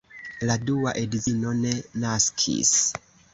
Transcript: La dua edzino ne naskis.